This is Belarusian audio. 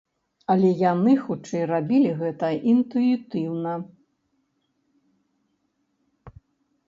Але яны, хутчэй, рабілі гэта інтуітыўна.